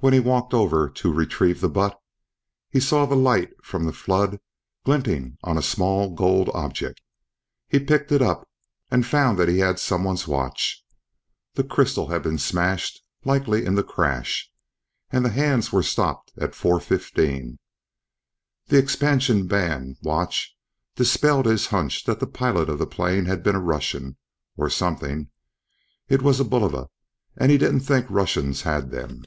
When he walked over to retrieve the butt, he saw the light from the flood glinting on a small gold object. He picked it up and found that he had someone's watch. The crystal had been smashed, likely in the crash, and the hands were stopped at 4:15. The expansion band watch dispelled his hunch that the pilot of the plane had been a Russian, or something; it was a Bulova, and he didn't think Russians had them.